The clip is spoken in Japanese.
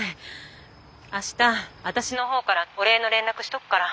明日私のほうからお礼の連絡しとくから。